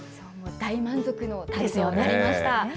大満足の旅となりました。